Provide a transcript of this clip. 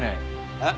えっ？